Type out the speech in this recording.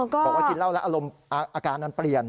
บอกว่ากินเหล้าแล้วอาการนั้นเปลี่ยน